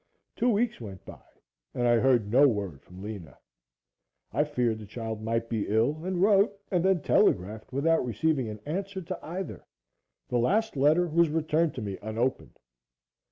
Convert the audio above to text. Two weeks went by and I heard no word from Lena. I feared the child might be ill and wrote and then telegraphed without receiving an answer to either. The last letter was returned to me unopened.